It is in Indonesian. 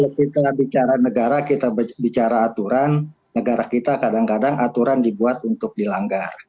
kalau kita bicara negara kita bicara aturan negara kita kadang kadang aturan dibuat untuk dilanggar